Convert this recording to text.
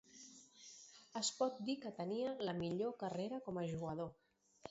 Es pot dir que tenia la millor carrera com a jugador.